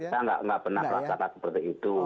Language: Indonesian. saya nggak pernah merasa tak seperti itu